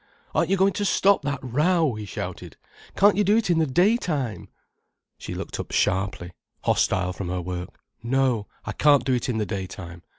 "Aren't you going to stop that row?" he shouted. "Can't you do it in the daytime?" She looked up sharply, hostile from her work. "No, I can't do it in the daytime.